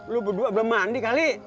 lu berdua belum mandi kali